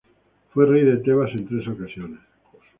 Fue rey de Tebas en tres ocasiones.